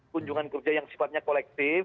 kunjungan kerja yang sifatnya kolektif